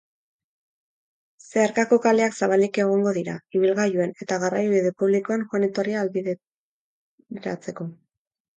Zeharkako kaleak zabalik egongo dira, ibilgailuen eta garraiobide publikoen joan-etorria ahalbideratzeko.